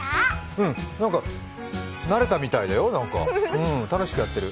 うん、慣れたみたいだよ、なんか、楽しくやってる。